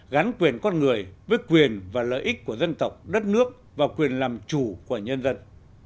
gắn quyền con người với quyền và lợi ích của dân tộc đất nước và quyền làm chủ của nhân dân